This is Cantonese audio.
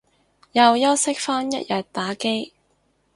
又休息返一日打機